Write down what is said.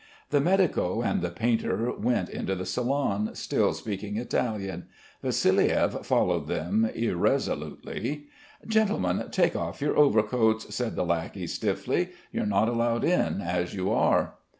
The medico and the painter went into the salon, still speaking Italian. Vassiliev followed them irresolutely. "Gentlemen, take off your overcoats," said the lackey stiffly. "You're not allowed in as you are."